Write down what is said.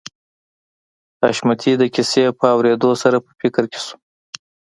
حشمتي د کيسې په اورېدو سره په فکر کې شو